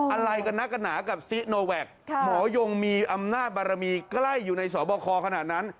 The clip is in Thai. อะไรกันนักกันหนากับซิโนแวคหมอยงมีอำนาจบารมีใกล้อยู่ในสบคขนาดนั้น